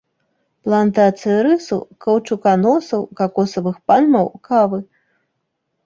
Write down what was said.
Плантацыі рысу, каўчуканосаў, какосавых пальмаў, кавы.